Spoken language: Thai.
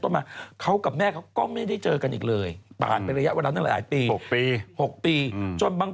จะมาเขากับแม่เขาก็ไม่ได้เจอกันอีกเลยนี้หลายปี๖ปี๖ปีส่วนบาง